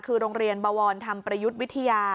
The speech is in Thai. ก่อนทำประยุทธวิทยา